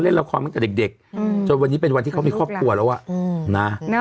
เล่นละครตั้งแต่เด็กจนวันนี้เป็นวันที่เขามีครอบครัวแล้วอ่ะนะ